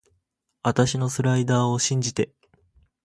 あたしのスライダーを信じて